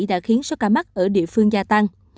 đã khiến số ca mắc ở địa phương gia tăng